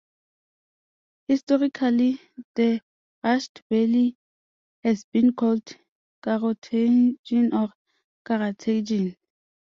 Historically the Rasht Valley has been called Karotegin or Karategin.